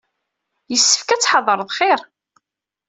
Yessefk ad tettḥadareḍ xir.